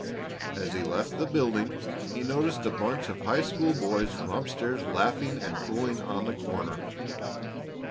As he left the building he noticed a bunch of high school boys from upstairs laughing and fooling on the corner.